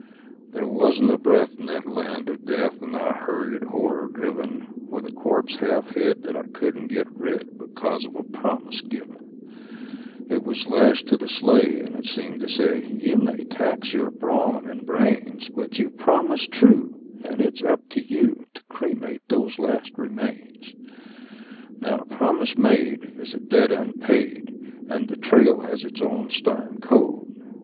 There wasn't a breath in that land of death, and I hurried, horror driven, With a corpse half hid that I couldn't get rid, because of a promise given; It was lashed to the sleigh, and it seemed to say: "You may tax your brawn and brains, But you promised true, and it's up to you to cremate those last remains." Now a promise made is a debt unpaid, and the trail has its own stern code.